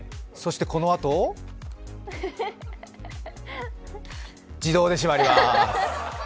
そしてこのあと自動で閉まります。